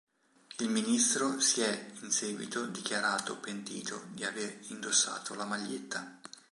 Il ministro si è in seguito dichiarato pentito di aver indossato la maglietta.